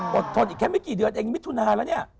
ทนอีกแค่ไม่กี่เดือนเองมิถุนาแล้วเนี่ย